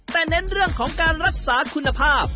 แต่เน้นเรื่องของการรักษาคุณภาพ